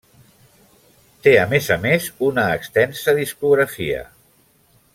Té, a més a més, una extensa discografia.